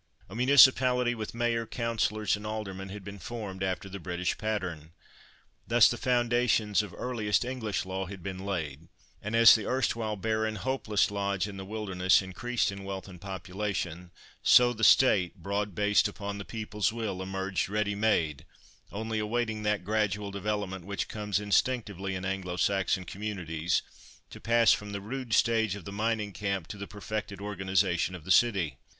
A municipality, with mayor, councillors, and aldermen had been formed after the British pattern. Thus the foundations of earliest English law had been laid, and as the erstwhile barren, hopeless lodge in the wilderness increased in wealth and population, so the State, "broad based upon the people's will," emerged ready made, only awaiting that gradual development which comes instinctively in Anglo Saxon communities, to pass from the rude stage of the mining camp to the perfected organisation of the city.